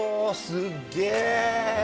すっげー！